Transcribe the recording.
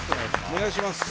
お願いします